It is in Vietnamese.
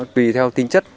tùy theo tính chất